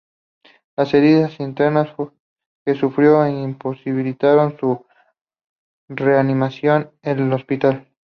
Las heridas internas que sufrió imposibilitaron su reanimación en el hospital.